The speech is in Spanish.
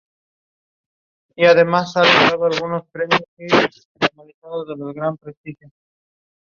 La iguana cubana está bien establecida en colecciones públicas y privadas.